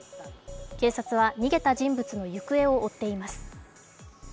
警察は逃げた人物の行方を追っています。